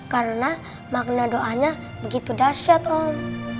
karena makna doanya begitu dasyat om